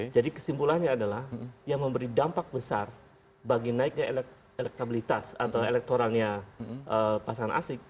jadi kesimpulannya adalah yang memberi dampak besar bagi naiknya elektabilitas atau elektoralnya pasangan asik